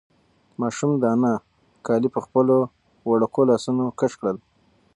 ماشوم د انا کالي په خپلو وړوکو لاسونو کش کړل.